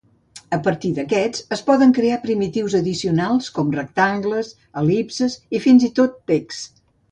A partir d'aquests es poden crear primitius addicionals com rectangles, el·lipses i fins i tot text.